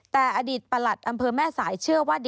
แต่อดีตประหลัดอำเภอแม่สายเชื่อว่า